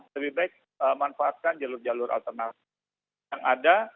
lebih baik manfaatkan jalur jalur alternatif yang ada